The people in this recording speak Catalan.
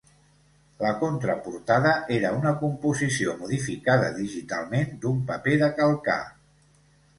La contraportada era una composició modificada digitalment d'un paper de calcar.